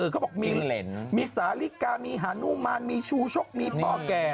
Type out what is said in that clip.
เขาบอกมีสาลิกามีฮานุมานมีชูชกมีพ่อแก่